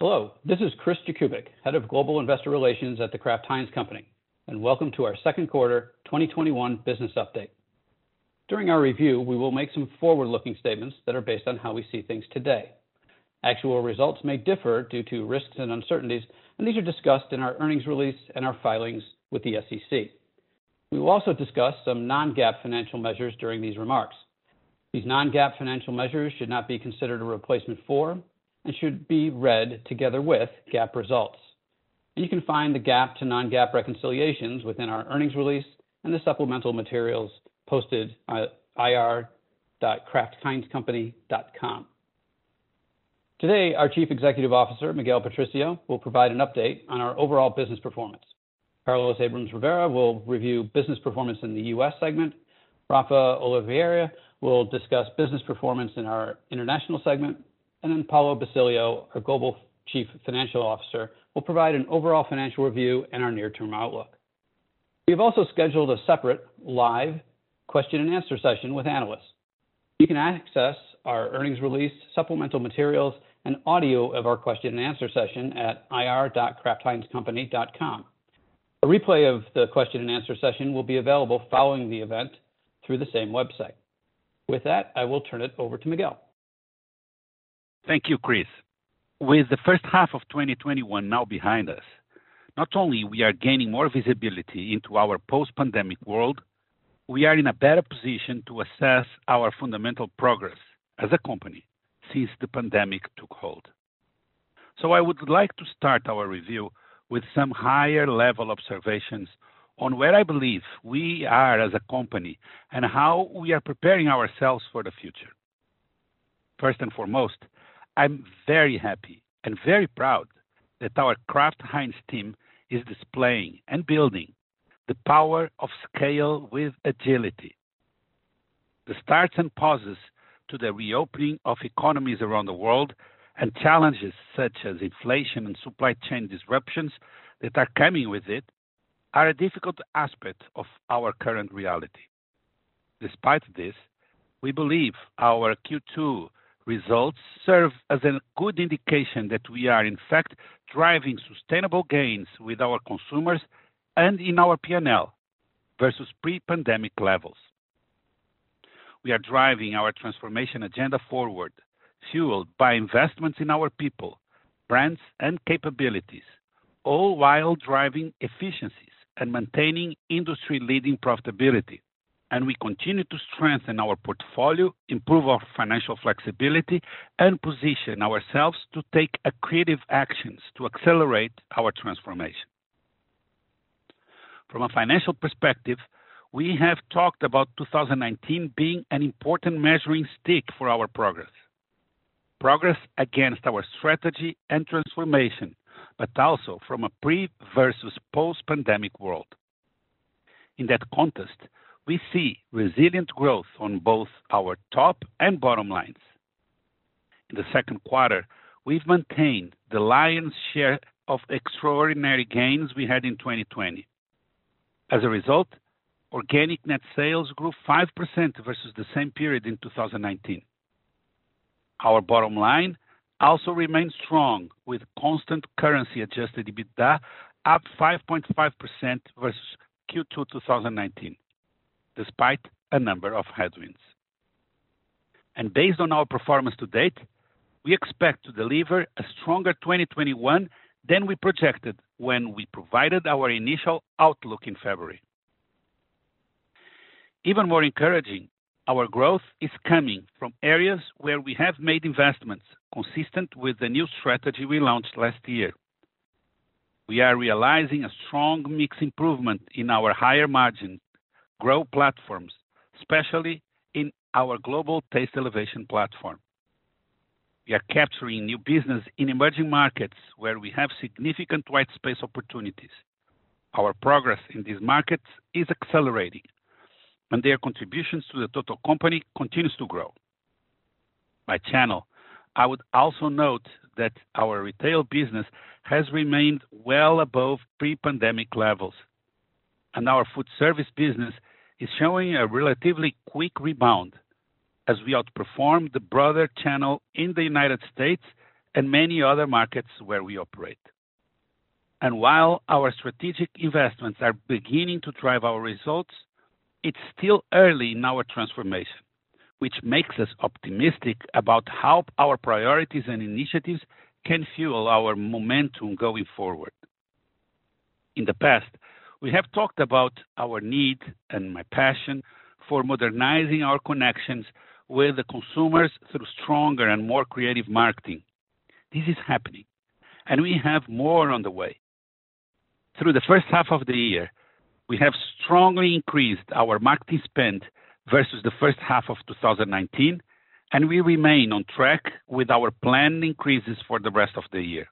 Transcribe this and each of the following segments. Hello, this is Chris Jakubik, Head of Global Investor Relations at The Kraft Heinz Company, and welcome to our second quarter 2021 business update. During our review, we will make some forward-looking statements that are based on how we see things today. Actual results may differ due to risks and uncertainties, and these are discussed in our earnings release and our filings with the SEC. We will also discuss some non-GAAP financial measures during these remarks. These non-GAAP financial measures should not be considered a replacement for and should be read together with GAAP results. You can find the GAAP to non-GAAP reconciliations within our earnings release and the supplemental materials posted at ir.kraftheinzcompany.com. Today, our Chief Executive Officer, Miguel Patricio, will provide an update on our overall business performance. Carlos Abrams-Rivera will review business performance in the U.S. segment. Rafa Oliveira will discuss business performance in our international segment, and then Paulo Basilio, our Global Chief Financial Officer, will provide an overall financial review and our near-term outlook. We have also scheduled a separate live question and answer session with analysts. You can access our earnings release, supplemental materials, and audio of our question and answer session at ir.kraftheinzcompany.com. A replay of the question and answer session will be available following the event through the same website. With that, I will turn it over to Miguel. Thank you, Chris. With the first half of 2021 now behind us, not only we are gaining more visibility into our post-pandemic world, we are in a better position to assess our fundamental progress as a company since the pandemic took hold. I would like to start our review with some higher-level observations on where I believe we are as a company and how we are preparing ourselves for the future. First and foremost, I'm very happy and very proud that our Kraft Heinz team is displaying and building the power of scale with agility. The starts and pauses to the reopening of economies around the world and challenges such as inflation and supply chain disruptions that are coming with it are a difficult aspect of our current reality. Despite this, we believe our Q2 results serve as a good indication that we are in fact driving sustainable gains with our consumers and in our P&L versus pre-pandemic levels. We are driving our transformation agenda forward, fueled by investments in our people, brands, and capabilities, all while driving efficiencies and maintaining industry-leading profitability. We continue to strengthen our portfolio, improve our financial flexibility, and position ourselves to take creative actions to accelerate our transformation. From a financial perspective, we have talked about 2019 being an important measuring stick for our progress against our strategy and transformation, but also from a pre versus post-pandemic world. In that context, we see resilient growth on both our top and bottom lines. In the second quarter, we've maintained the lion's share of extraordinary gains we had in 2020. As a result, organic net sales grew 5% versus the same period in 2019. Our bottom line also remains strong, with constant currency-adjusted EBITDA up 5.5% versus Q2 2019, despite a number of headwinds. Based on our performance to date, we expect to deliver a stronger 2021 than we projected when we provided our initial outlook in February. Even more encouraging, our growth is coming from areas where we have made investments consistent with the new strategy we launched last year. We are realizing a strong mix improvement in our higher margin growth platforms, especially in our Global Taste Elevation Platform. We are capturing new business in emerging markets where we have significant white space opportunities. Our progress in these markets is accelerating, and their contributions to the total company continues to grow. By channel, I would also note that our retail business has remained well above pre-pandemic levels, and our food service business is showing a relatively quick rebound as we outperform the broader channel in the U.S. and many other markets where we operate. While our strategic investments are beginning to drive our results, it's still early in our transformation, which makes us optimistic about how our priorities and initiatives can fuel our momentum going forward. In the past, we have talked about our need and my passion for modernizing our connections with the consumers through stronger and more creative marketing. This is happening, and we have more on the way. Through the first half of the year, we have strongly increased our marketing spend versus the first half of 2019, and we remain on track with our planned increases for the rest of the year.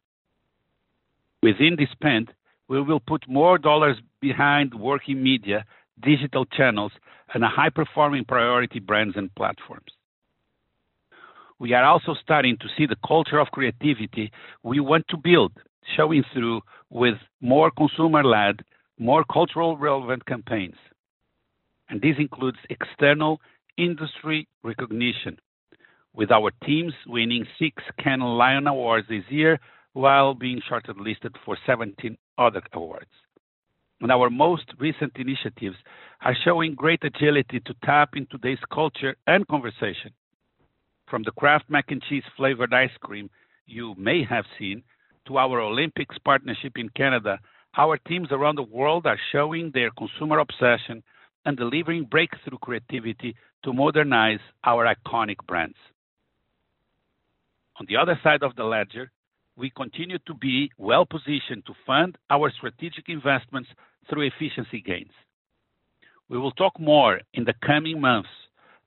Within this spend, we will put more dollars behind working media, digital channels, and high-performing priority brands and platforms. We are also starting to see the culture of creativity we want to build, showing through with more consumer-led, more cultural relevant campaigns. This includes external industry recognition with our teams winning six Cannes Lions awards this year while being shortlisted for 17 other awards. Our most recent initiatives are showing great agility to tap into today's culture and conversation. From the Kraft Mac & Cheese flavored ice cream you may have seen to our Olympics partnership in Canada, our teams around the world are showing their consumer obsession and delivering breakthrough creativity to modernize our iconic brands. On the other side of the ledger, we continue to be well-positioned to fund our strategic investments through efficiency gains. We will talk more in the coming months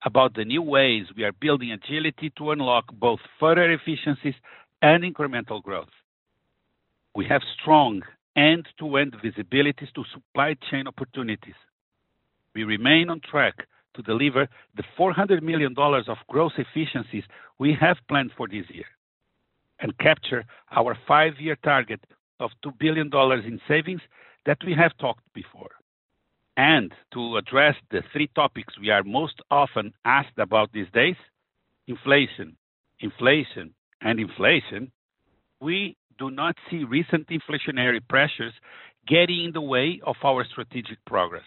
about the new ways we are building agility to unlock both further efficiencies and incremental growth. We have strong end-to-end visibilities to supply chain opportunities. We remain on track to deliver the $400 million of gross efficiencies we have planned for this year and capture our five-year target of $2 billion in savings that we have talked before. To address the three topics we are most often asked about these days, inflation, inflation, and inflation, we do not see recent inflationary pressures getting in the way of our strategic progress.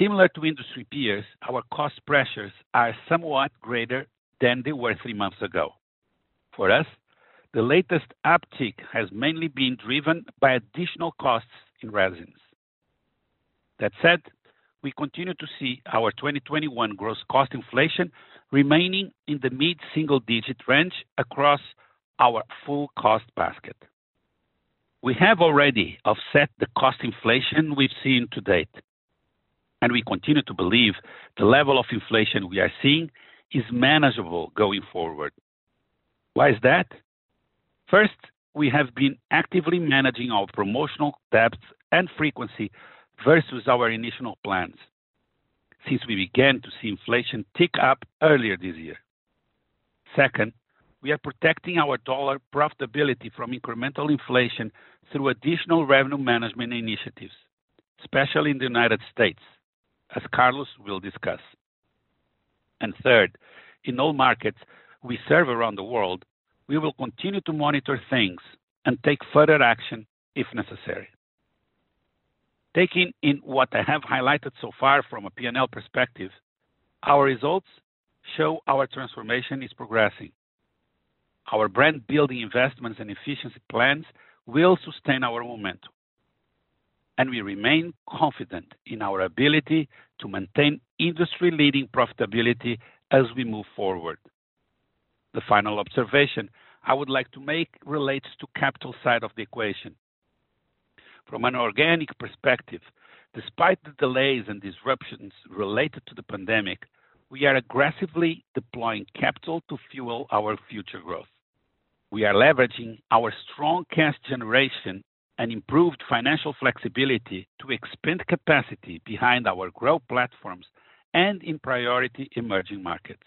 Similar to industry peers, our cost pressures are somewhat greater than they were three months ago. For us, the latest uptick has mainly been driven by additional costs in resins. That said, we continue to see our 2021 gross cost inflation remaining in the mid-single digit range across our full cost basket. We have already offset the cost inflation we've seen to date, and we continue to believe the level of inflation we are seeing is manageable going forward. Why is that? First, we have been actively managing our promotional depth and frequency versus our initial plans since we began to see inflation tick up earlier this year. Second, we are protecting our dollar profitability from incremental inflation through additional revenue management initiatives, especially in the U.S., as Carlos will discuss. Third, in all markets we serve around the world, we will continue to monitor things and take further action if necessary. Taking in what I have highlighted so far from a P&L perspective, our results show our transformation is progressing. Our brand-building investments and efficiency plans will sustain our momentum, and we remain confident in our ability to maintain industry-leading profitability as we move forward. The final observation I would like to make relates to capital side of the equation. From an organic perspective, despite the delays and disruptions related to the pandemic, we are aggressively deploying capital to fuel our future growth. We are leveraging our strong cash generation and improved financial flexibility to expand capacity behind our growth platforms and in priority emerging markets.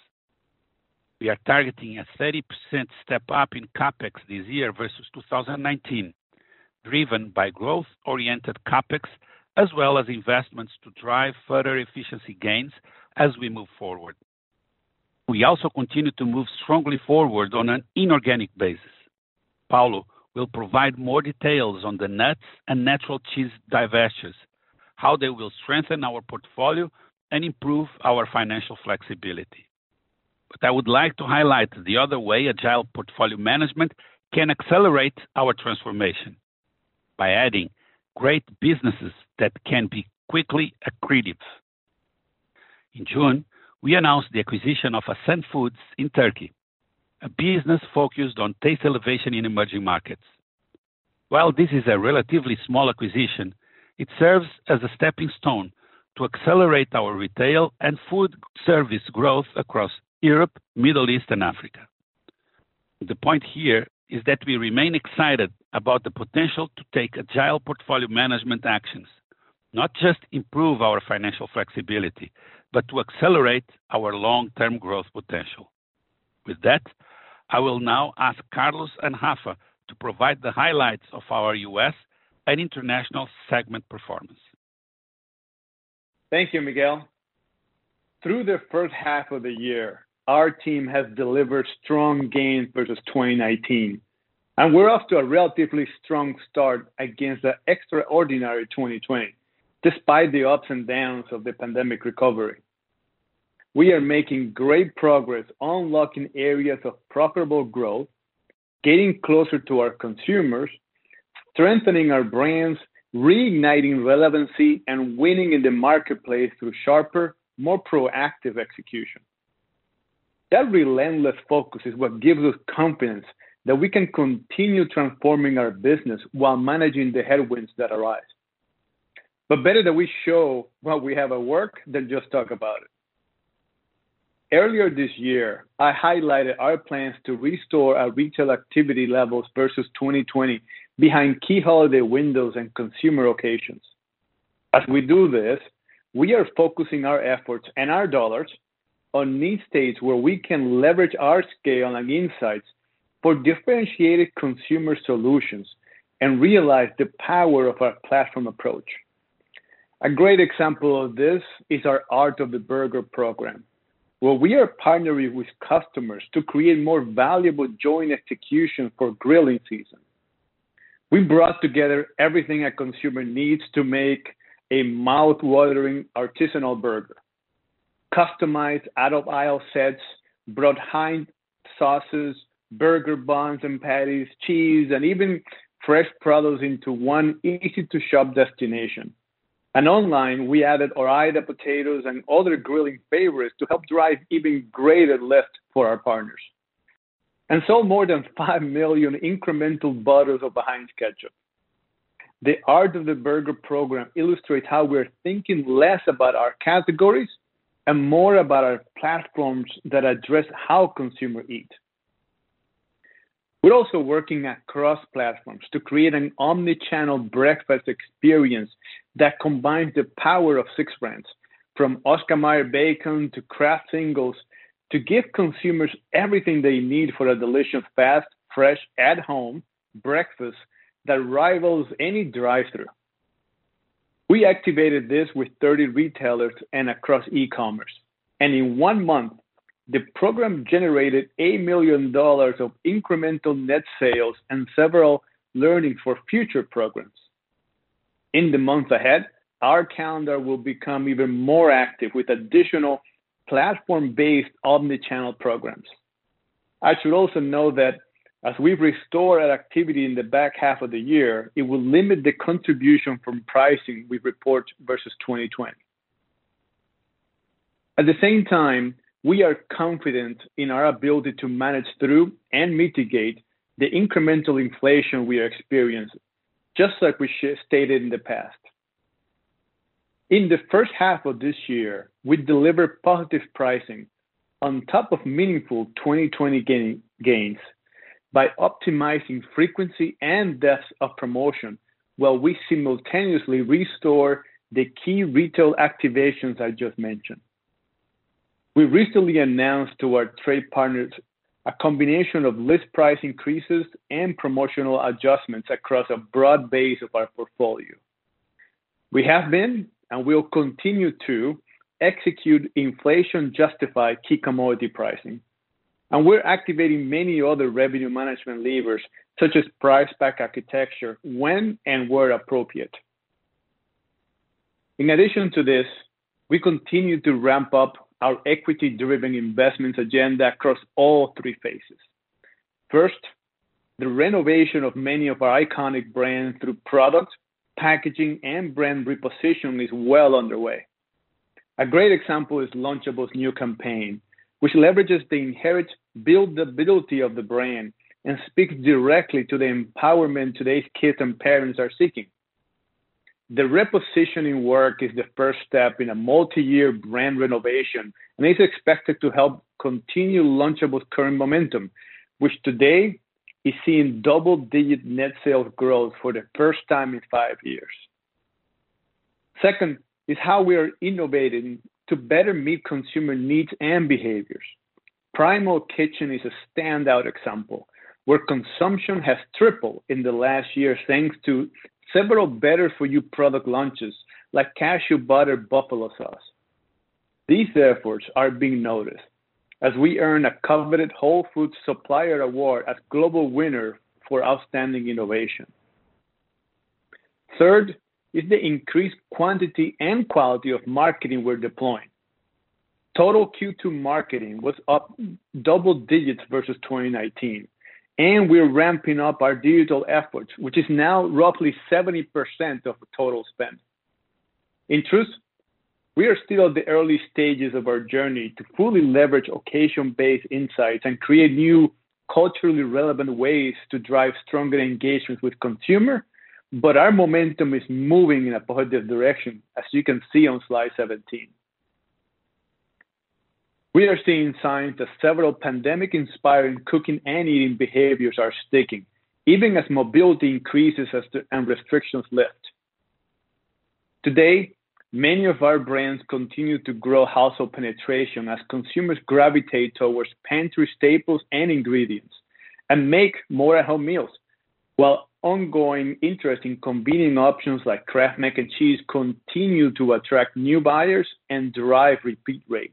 We are targeting a 30% step-up in CapEx this year versus 2019, driven by growth-oriented CapEx as well as investments to drive further efficiency gains as we move forward. We also continue to move strongly forward on an inorganic basis. Paulo will provide more details on the nuts and natural cheese divestitures, how they will strengthen our portfolio and improve our financial flexibility. I would like to highlight the other way agile portfolio management can accelerate our transformation by adding great businesses that can be quickly accretive. In June, we announced the acquisition of Assan Foods in Turkey, a business focused on taste elevation in emerging markets. While this is a relatively small acquisition, it serves as a stepping stone to accelerate our retail and food service growth across Europe, Middle East, and Africa. The point here is that we remain excited about the potential to take agile portfolio management actions, not just improve our financial flexibility, but to accelerate our long-term growth potential. With that, I will now ask Carlos and Rafa to provide the highlights of our U.S. and international segment performance. Thank you, Miguel. Through the first half of the year, our team has delivered strong gains versus 2019, and we're off to a relatively strong start against the extraordinary 2020, despite the ups and downs of the pandemic recovery. We are making great progress unlocking areas of profitable growth, getting closer to our consumers, strengthening our brands, reigniting relevancy, and winning in the marketplace through sharper, more proactive execution. That relentless focus is what gives us confidence that we can continue transforming our business while managing the headwinds that arise. Better that we show what we have at work than just talk about it. Earlier this year, I highlighted our plans to restore our retail activity levels versus 2020 behind key holiday windows and consumer occasions. As we do this, we are focusing our efforts and our dollars on these dates where we can leverage our scale and insights for differentiated consumer solutions and realize the power of our platform approach. A great example of this is our Art of the Burger program, where we are partnering with customers to create more valuable joint execution for grilling season. We brought together everything a consumer needs to make a mouth-watering artisanal burger. Customized out-of-aisle sets brought Heinz sauces, burger buns and patties, cheese, and even fresh products into one easy to shop destination. Online, we added Ore-Ida potatoes and other grilling favorites to help drive even greater lift for our partners. Sold more than 5 million incremental bottles of Heinz ketchup. The Art of the Burger program illustrates how we're thinking less about our categories and more about our platforms that address how consumers eat. We're also working across platforms to create an omni-channel breakfast experience that combines the power of six brands, from Oscar Mayer bacon to Kraft Singles, to give consumers everything they need for a delicious, fast, fresh, at-home breakfast that rivals any drive-thru. We activated this with 30 retailers and across e-commerce, and in one month, the program generated $8 million of incremental net sales and several learnings for future programs. In the months ahead, our calendar will become even more active with additional platform-based omni-channel programs. I should also note that as we restore that activity in the back half of the year, it will limit the contribution from pricing we report versus 2020. At the same time, we are confident in our ability to manage through and mitigate the incremental inflation we are experiencing, just like we stated in the past. In the first half of this year, we delivered positive pricing on top of meaningful 2020 gains by optimizing frequency and depth of promotion, while we simultaneously restore the key retail activations I just mentioned. We recently announced to our trade partners a combination of list price increases and promotional adjustments across a broad base of our portfolio. We have been, and will continue to, execute inflation-justified key commodity pricing. We're activating many other revenue management levers, such as price pack architecture, when and where appropriate. In addition to this, we continue to ramp up our equity-driven investments agenda across all three phases. First, the renovation of many of our iconic brands through product, packaging, and brand repositioning is well underway. A great example is Lunchables' new campaign, which leverages the inherent buildability of the brand and speaks directly to the empowerment today's kids and parents are seeking. The repositioning work is the first step in a multi-year brand renovation and is expected to help continue Lunchables' current momentum, which today is seeing double-digit net sales growth for the first time in five years. Second is how we are innovating to better meet consumer needs and behaviors. Primal Kitchen is a standout example, where consumption has tripled in the last year thanks to several better-for-you product launches, like cashew butter buffalo sauce. These efforts are being noticed as we earn a coveted Whole Foods Supplier Award as Global Winner for Outstanding Innovation. Third is the increased quantity and quality of marketing we're deploying. Total Q2 marketing was up double digits versus 2019. We're ramping up our digital efforts, which is now roughly 70% of the total spend. In truth, we are still at the early stages of our journey to fully leverage occasion-based insights and create new culturally relevant ways to drive stronger engagement with consumer, but our momentum is moving in a positive direction, as you can see on slide 17. We are seeing signs that several pandemic-inspired cooking and eating behaviors are sticking, even as mobility increases and restrictions lift. Today, many of our brands continue to grow household penetration as consumers gravitate towards pantry staples and ingredients and make more at-home meals, while ongoing interest in convenient options like Kraft Mac & Cheese continue to attract new buyers and drive repeat rates.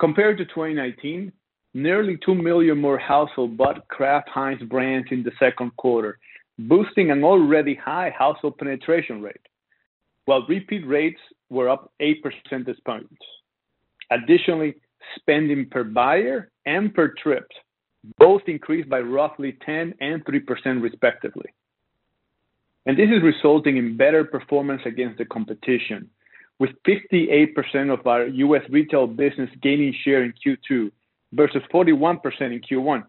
Compared to 2019, nearly 2 million more households bought Kraft Heinz brands in the second quarter, boosting an already high household penetration rate, while repeat rates were up 8% this point. Additionally, spending per buyer and per trip both increased by roughly 10% and 3% respectively. This is resulting in better performance against the competition, with 58% of our U.S. retail business gaining share in Q2 versus 41% in Q1.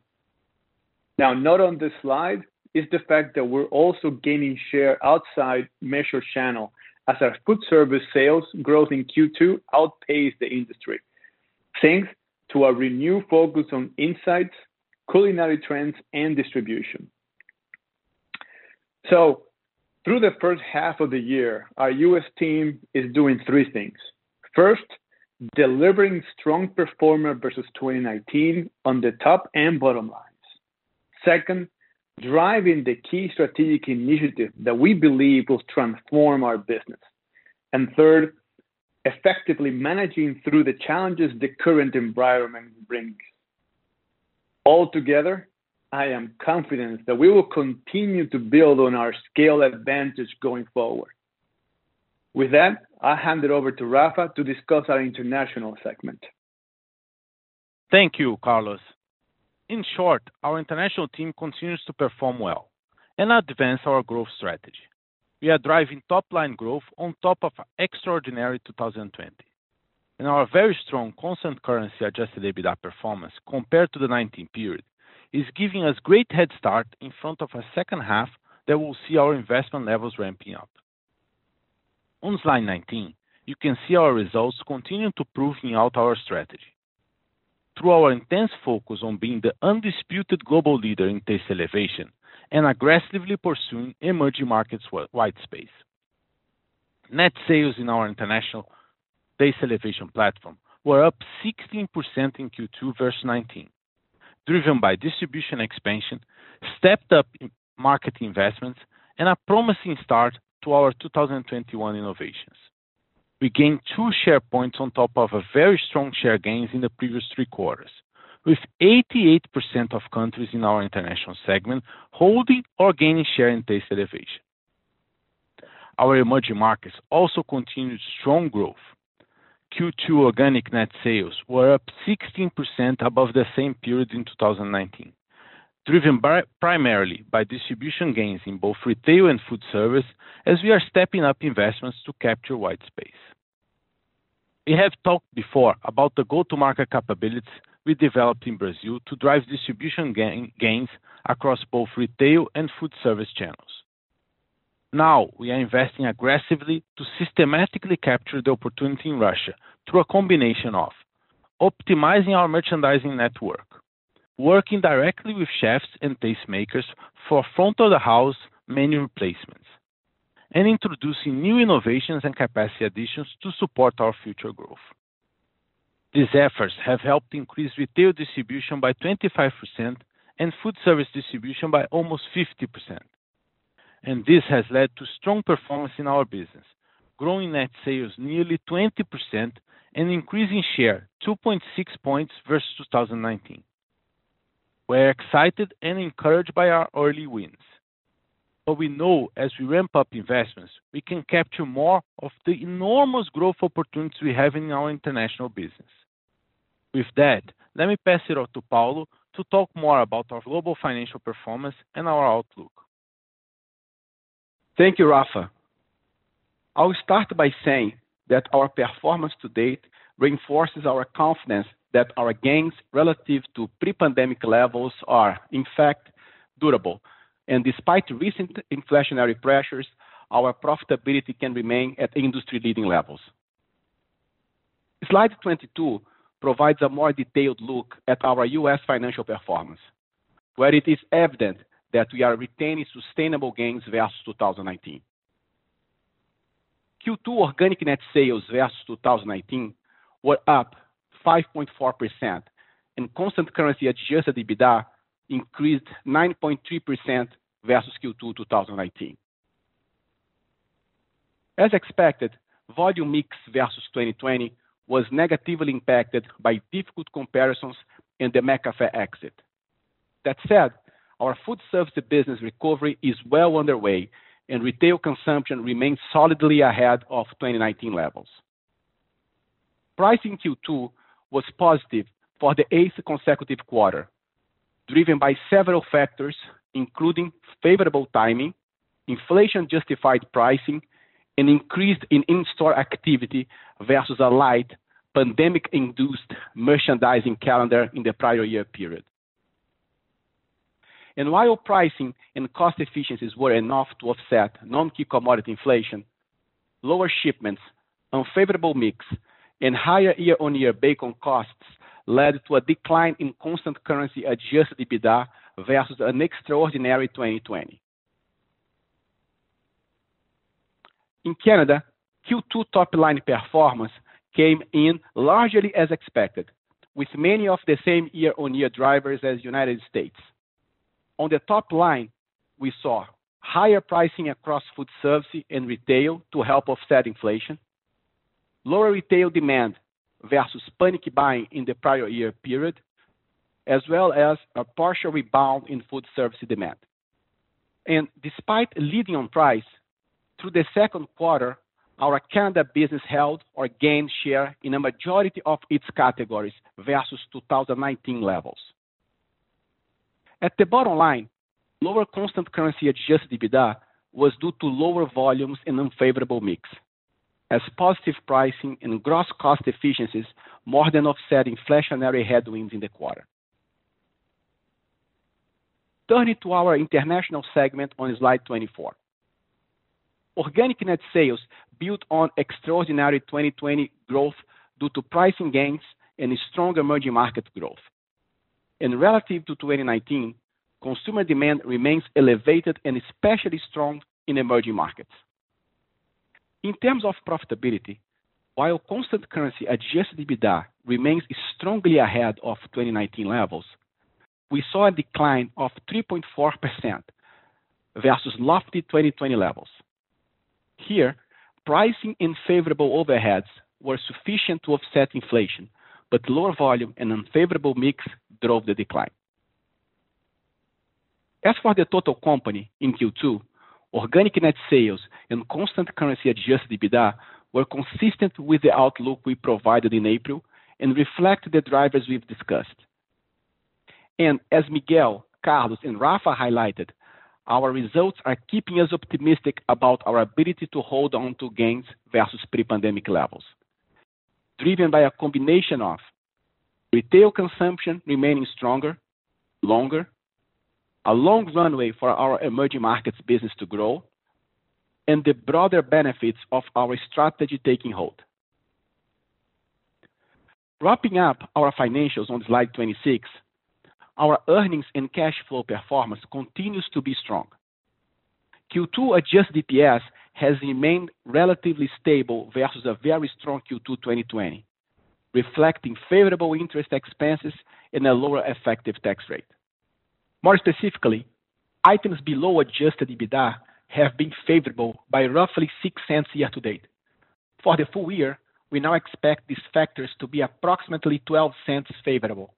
Now, not on this slide is the fact that we're also gaining share outside measured channel as our food service sales growth in Q2 outpaced the industry, thanks to a renewed focus on insights, culinary trends, and distribution. Through the first half of the year, our U.S. team is doing three things. First, delivering strong performance versus 2019 on the top and bottom lines. Second, driving the key strategic initiatives that we believe will transform our business. Third, effectively managing through the challenges the current environment brings. All together, I am confident that we will continue to build on our scale advantage going forward. With that, I hand it over to Rafa to discuss our international segment. Thank you, Carlos. In short, our international team continues to perform well and advance our growth strategy. We are driving top-line growth on top of extraordinary 2020, our very strong constant currency adjusted EBITDA performance compared to the 2019 period is giving us great head start in front of a second half that will see our investment levels ramping up. On slide 19, you can see our results continuing to prove out our strategy. Through our intense focus on being the undisputed global leader in taste elevation and aggressively pursuing emerging markets' white space. Net sales in our international taste elevation platform were up 16% in Q2 versus 2019, driven by distribution expansion, stepped up market investments, and a promising start to our 2021 innovations. We gained 2 share points on top of a very strong share gains in the previous three quarters, with 88% of countries in our international segment holding or gaining share in taste elevation. Our emerging markets also continued strong growth. Q2 organic net sales were up 16% above the same period in 2019, driven primarily by distribution gains in both retail and food service as we are stepping up investments to capture white space. We have talked before about the go-to-market capabilities we developed in Brazil to drive distribution gains across both retail and food service channels. Now, we are investing aggressively to systematically capture the opportunity in Russia through a combination of optimizing our merchandising network, working directly with chefs and tastemakers for front of the house menu placements, and introducing new innovations and capacity additions to support our future growth. These efforts have helped increase retail distribution by 25% and food service distribution by almost 50%. This has led to strong performance in our business, growing organic net sales nearly 20% and increasing share 2.6 points versus 2019. We're excited and encouraged by our early wins, but we know as we ramp up investments, we can capture more of the enormous growth opportunities we have in our international business. With that, let me pass it off to Paulo to talk more about our global financial performance and our outlook. Thank you, Rafa. I'll start by saying that our performance to date reinforces our confidence that our gains relative to pre-pandemic levels are, in fact, durable. Despite recent inflationary pressures, our profitability can remain at industry leading levels. Slide 22 provides a more detailed look at our U.S. financial performance, where it is evident that we are retaining sustainable gains versus 2019. Q2 organic net sales versus 2019 were up 5.4% and constant currency adjusted EBITDA increased 9.3% versus Q2 2019. As expected, volume mix versus 2020 was negatively impacted by difficult comparisons and the McCafé exit. That said, our food service business recovery is well underway and retail consumption remains solidly ahead of 2019 levels. Pricing Q2 was positive for the eighth consecutive quarter, driven by several factors, including favorable timing, inflation-justified pricing, and increase in in-store activity versus a light pandemic-induced merchandising calendar in the prior year period. While pricing and cost efficiencies were enough to offset non-key commodity inflation, lower shipments, unfavorable mix, and higher year-on-year bacon costs led to a decline in constant currency adjusted EBITDA versus an extraordinary 2020. In Canada, Q2 top line performance came in largely as expected, with many of the same year-on-year drivers as U.S. On the top line, we saw higher pricing across food service and retail to help offset inflation, lower retail demand versus panic buying in the prior year period, as well as a partial rebound in food service demand. Despite leading on price, through the second quarter, our Canada business held or gained share in a majority of its categories versus 2019 levels. At the bottom line, lower constant currency adjusted EBITDA was due to lower volumes and unfavorable mix as positive pricing and gross cost efficiencies more than offset inflationary headwinds in the quarter. Turning to our international segment on slide 24. Organic net sales built on extraordinary 2020 growth due to pricing gains and strong emerging market growth. Relative to 2019, consumer demand remains elevated and especially strong in emerging markets. In terms of profitability, while constant currency adjusted EBITDA remains strongly ahead of 2019 levels, we saw a decline of 3.4% versus lofty 2020 levels. Here, pricing and favorable overheads were sufficient to offset inflation, but lower volume and unfavorable mix drove the decline. As for the total company in Q2, organic net sales and constant currency adjusted EBITDA were consistent with the outlook we provided in April and reflect the drivers we've discussed. As Miguel, Carlos, and Rafa highlighted, our results are keeping us optimistic about our ability to hold on to gains versus pre-pandemic levels, driven by a combination of retail consumption remaining stronger, longer, a long runway for our emerging markets business to grow, and the broader benefits of our strategy taking hold. Wrapping up our financials on slide 26, our earnings and cash flow performance continues to be strong. Q2 adjusted EPS has remained relatively stable versus a very strong Q2 2020, reflecting favorable interest expenses and a lower adjusted effective tax rate. More specifically, items below adjusted EBITDA have been favorable by roughly $0.06 year to date. For the full year, we now expect these factors to be approximately $0.12 favorable.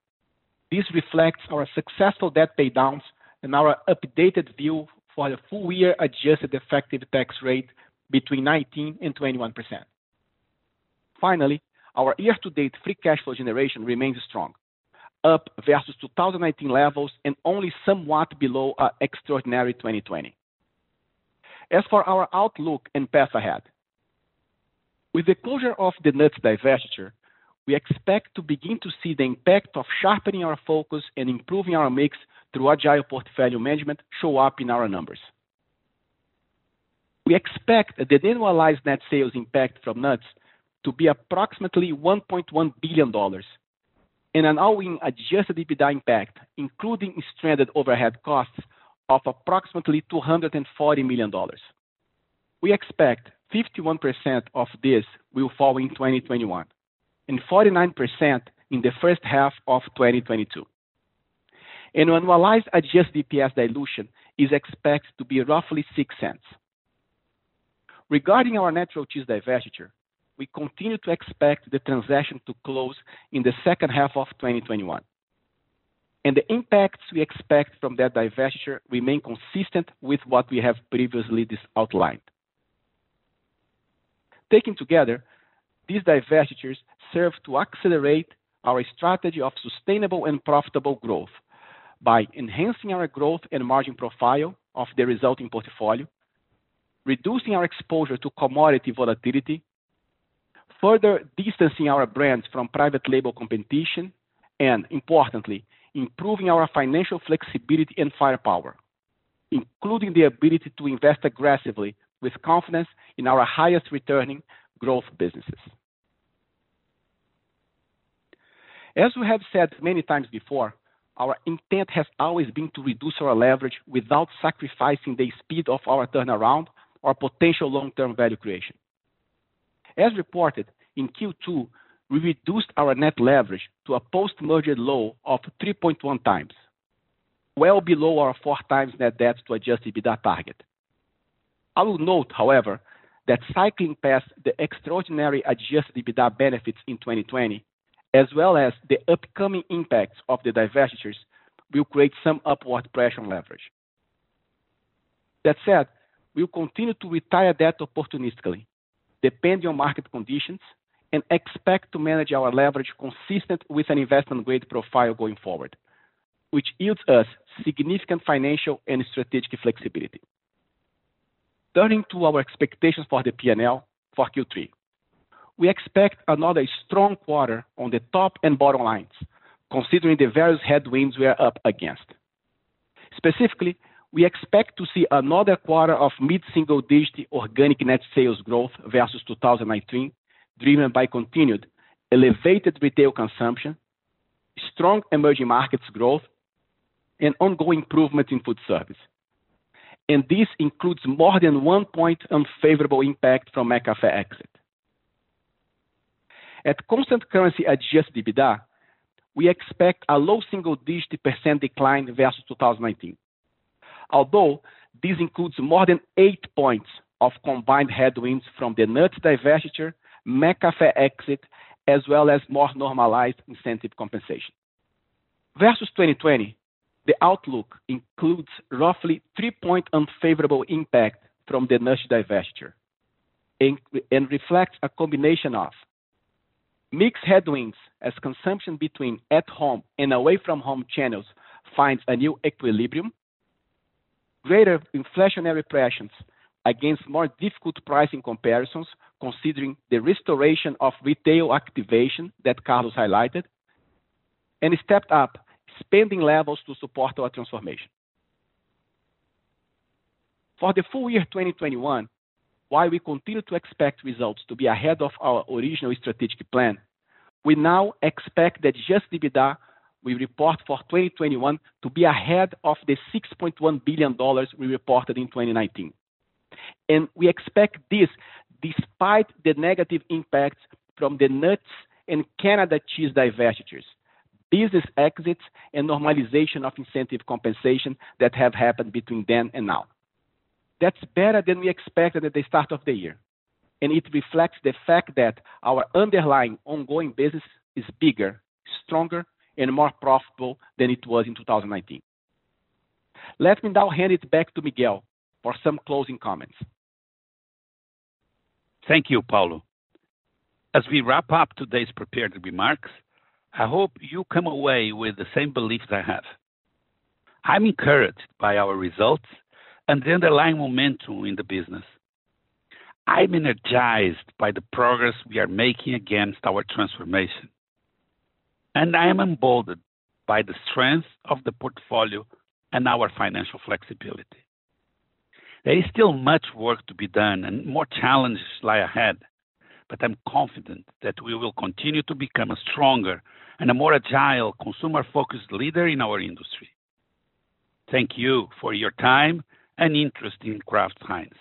This reflects our successful debt paydowns and our updated view for the full year adjusted effective tax rate between 19% and 21%. Finally, our year-to-date free cash flow generation remains strong, up versus 2019 levels and only somewhat below our extraordinary 2020. As for our outlook and path ahead, with the closure of the nuts divestiture, we expect to begin to see the impact of sharpening our focus and improving our mix through agile portfolio management show up in our numbers. We expect the annualized net sales impact from nuts to be approximately $1.1 billion and an annual adjusted EBITDA impact, including stranded overhead costs, of approximately $240 million. We expect 51% of this will fall in 2021 and 49% in the first half of 2022. Annualized adjusted EPS dilution is expected to be roughly $0.06. Regarding our natural cheese divestiture, we continue to expect the transaction to close in the second half of 2021, and the impacts we expect from that divestiture remain consistent with what we have previously outlined. Taken together, these divestitures serve to accelerate our strategy of sustainable and profitable growth by enhancing our growth and margin profile of the resulting portfolio, reducing our exposure to commodity volatility, further distancing our brands from private label competition, and importantly, improving our financial flexibility and firepower, including the ability to invest aggressively with confidence in our highest returning growth businesses. As we have said many times before, our intent has always been to reduce our leverage without sacrificing the speed of our turnaround or potential long-term value creation. As reported, in Q2, we reduced our net leverage to a post-merger low of 3.1 times, well below our 4x net debt to adjusted EBITDA target. I will note, however, that cycling past the extraordinary adjusted EBITDA benefits in 2020, as well as the upcoming impacts of the divestitures, will create some upward pressure on leverage. That said, we'll continue to retire debt opportunistically, depending on market conditions, and expect to manage our leverage consistent with an investment-grade profile going forward, which yields us significant financial and strategic flexibility. Turning to our expectations for the P&L for Q3, we expect another strong quarter on the top and bottom lines, considering the various headwinds we are up against. Specifically, we expect to see another quarter of mid-single-digit organic net sales growth versus 2019, driven by continued elevated retail consumption, strong emerging markets growth, and ongoing improvement in food service. This includes more than 1 point unfavorable impact from McCafé exit. At constant currency adjusted EBITDA, we expect a low single-digit % decline versus 2019, although this includes more than 8 points of combined headwinds from the nuts divestiture, McCafé exit, as well as more normalized incentive compensation. Versus 2020, the outlook includes roughly 3 point unfavorable impact from the nuts divestiture and reflects a combination of mix headwinds as consumption between at home and away-from-home channels finds a new equilibrium, greater inflationary pressures against more difficult pricing comparisons considering the restoration of retail activation that Carlos highlighted, and stepped up spending levels to support our transformation. For the full year 2021, while we continue to expect results to be ahead of our original strategic plan, we now expect the adjusted EBITDA we report for 2021 to be ahead of the $6.1 billion we reported in 2019. We expect this despite the negative impacts from the nuts and Canada cheese divestitures, business exits, and normalization of incentive compensation that have happened between then and now. That's better than we expected at the start of the year, and it reflects the fact that our underlying ongoing business is bigger, stronger, and more profitable than it was in 2019. Let me now hand it back to Miguel for some closing comments. Thank you, Paulo. As we wrap up today's prepared remarks, I hope you come away with the same beliefs I have. I'm encouraged by our results and the underlying momentum in the business. I'm energized by the progress we are making against our transformation. And I am emboldened by the strength of the portfolio and our financial flexibility. There is still much work to be done and more challenges lie ahead, but I'm confident that we will continue to become a stronger and a more agile consumer-focused leader in our industry. Thank you for your time and interest in Kraft Heinz.